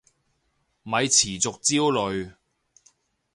咪持續焦慮